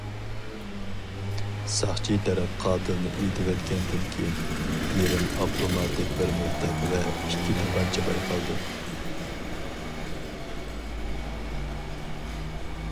ساقچى تەرەپ قاتىلنى ئېتىۋەتكەندىن كېيىن، يېرىم ئاپتوماتىك بىر مىلتىق ۋە ئىككى تاپانچا بايقالدى.